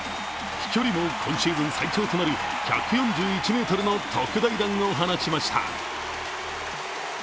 飛距離も今シーズン最長となる１４１ｍの特大弾を放ちました。